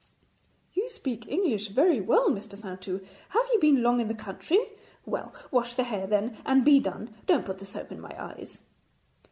'You speak English very well, Mr. Saintou. Have you been long in the country? Well, wash the hair then, and be done. Don't put the soap in my eyes.'